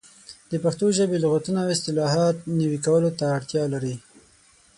د پښتو ژبې لغتونه او اصطلاحات نوي کولو ته اړتیا لري.